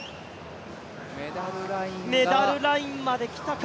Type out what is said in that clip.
メダルラインまで来たか？